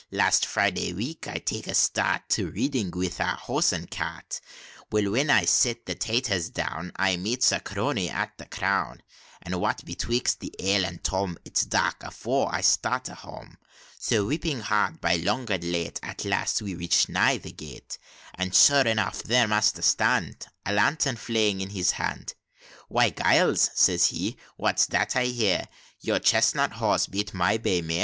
"Last Friday week, I takes a start To Reading, with our horse and cart; Well, when I'ze set the 'taters down, I meets a crony at the Crown; And what betwixt the ale and Tom, It's dark afore I starts for home; So whipping hard, by long and late, At last we reaches nigh the gate, And, sure enough, there Master stand, A lantern flaring in his hand, 'Why, Giles,' says he, 'what's that 'un thear? Yond' chestnut horse bean't my bay mear!